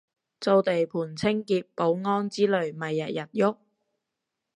做地盤清潔保安之類咪日日郁